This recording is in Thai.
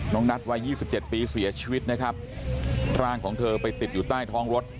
นัทวัยยี่สิบเจ็ดปีเสียชีวิตนะครับร่างของเธอไปติดอยู่ใต้ท้องรถ